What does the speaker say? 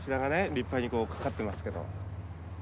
立派にこう掛かってますけど。